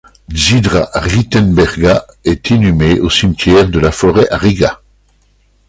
Dzidra Ritenberga est inhumée au cimetière de la Forêt à Riga.